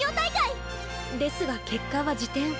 ですが結果は次点。